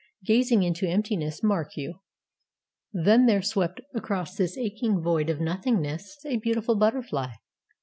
Gazing into emptiness, mark you! Then there swept across this aching void of nothingness a beautiful butterfly!